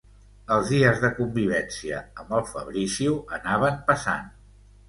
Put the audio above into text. Els dies de convivència amb el Fabrizio anaven passant.